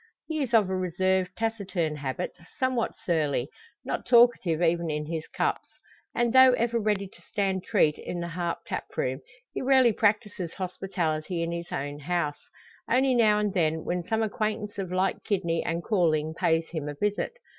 He is of a reserved, taciturn habit, somewhat surly: not talkative even in his cups. And though ever ready to stand treat in the Harp tap room he rarely practises hospitality in his own house; only now and then, when some acquaintance of like kidney and calling pays him a visit.